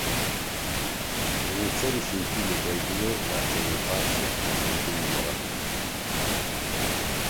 Le iniziali scintille tra i due lasciano il passo a un lento innamoramento.